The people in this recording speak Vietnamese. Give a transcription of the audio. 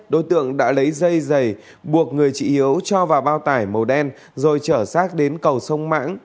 đối tượng đã lấy dây giày buộc người chị hiếu cho vào bao tải màu đen rồi trở sát đến cầu sông mãng